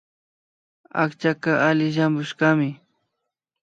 Akchaka alli llampushkami